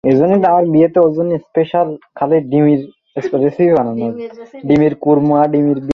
অমলেন্দু দে একজন বাঙালি সাহিত্যিক।